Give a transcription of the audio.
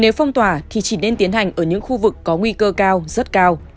nếu phong tỏa thì chỉ nên tiến hành ở những khu vực có nguy cơ cao rất cao